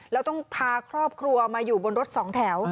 แล้วต้องพาครอบครัวมาอยู่บนรถสองแถว